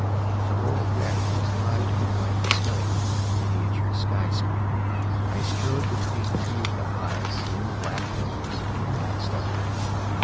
The whole effect was not unlike the skeleton of a miniature skyscraper. I strode between two of the high, slim black pillars and glanced upward.